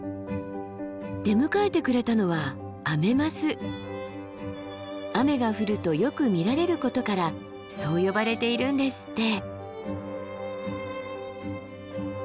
出迎えてくれたのは雨が降るとよく見られることからそう呼ばれているんですって。